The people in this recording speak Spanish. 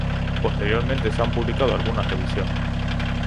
Posteriormente se han publicado algunas revisiones.